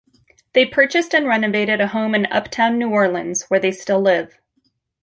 They purchased and renovated a home in Uptown New Orleans, where they still live.